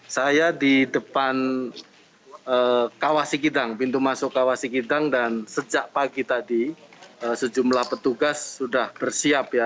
saya di depan pintu masuk kawasi gidang dan sejak pagi tadi sejumlah petugas sudah bersiap ya